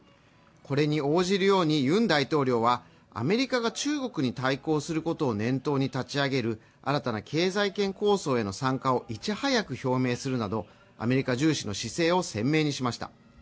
これに応じるようにユン大統領はアメリカが中国に対抗することを念頭に立ち上げる新たな経済圏構想への参加をいち早く表明するなどアメリカ重視の姿勢を鮮明にしました。